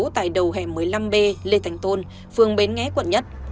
tại đầu hẻm một mươi năm b lê thành tôn phường bến nghé quận một